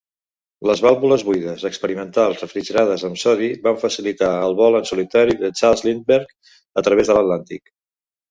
Les vàlvules buides experimentals refrigerades amb sodi van facilitar el vol en solitari de Charles Lindbergh a través de l'Atlàntic.